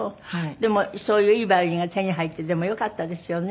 でもそういういいヴァイオリンが手に入ってでもよかったですよね。